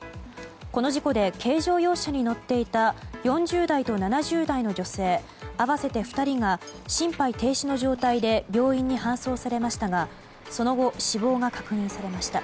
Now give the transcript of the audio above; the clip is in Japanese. この事故で軽乗用車に乗っていた４０代と７０代の女性合わせて２人が心肺停止の状態で病院に搬送されましたがその後、死亡が確認されました。